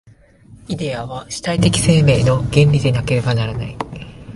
イデヤは主体的生命の原理でなければならない。